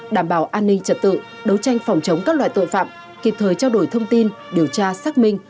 đảm bảo an ninh trật tự đấu tranh phòng chống các loại tội phạm kịp thời trao đổi thông tin điều tra xác minh